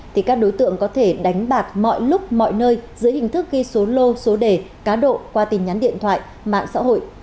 thì các đối tượng có thể đánh bạc mọi lúc mọi nơi giữa hình thức ghi số lô số đề cá độ qua tin nhắn điện thoại mạng xã hội